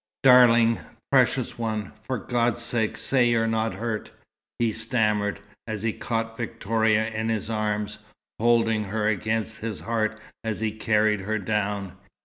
"Darling, precious one, for God's sake say you're not hurt!" he stammered, as he caught Victoria in his arms, holding her against his heart, as he carried her down.